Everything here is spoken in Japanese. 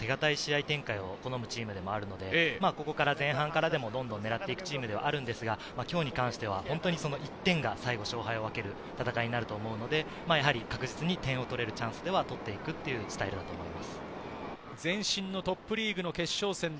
もともとワイルドナイツは手堅い試合展開を好むチームでもあるので、ここから前半からでもどんどん狙っていくチームではあるんですが、今日に関しては１点が勝敗をわける戦いになると思うので、確実に点を取れるチャンスでは取っていくというスタイルだと思います。